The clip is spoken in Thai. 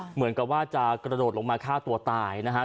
เหมือนกับว่าจะกระโดดลงมาฆ่าตัวตายนะครับ